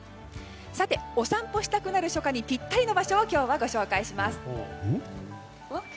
お散歩したくなる初夏にぴったりの場所を今日はご紹介します。